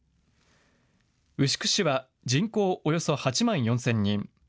牛久市は人口およそ８万４０００人。